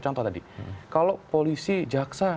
contoh tadi kalau polisi jaksa